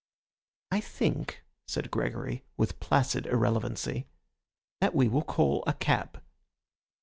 "I think," said Gregory, with placid irrelevancy, "that we will call a cab."